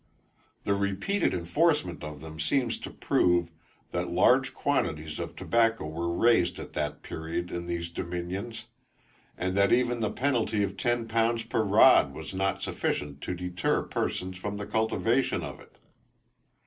The repeated inforcement of them seems to prove, that large quantities of tobacco were raised at that period in these dominions, and that even the penalty of ten pounds per rod was not sufficient to deter persons from the cultivation of it.